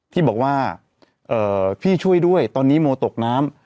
ที่บอกว่าพี่ช่วยด้วยตอนนี้โมตกน้ำ